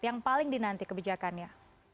yang paling dinanti kebijakannya